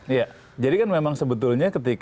iya jadi kan memang sebetulnya ketika